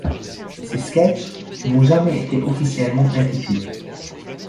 Ces sketches n'ont jamais été officiellement intitulés.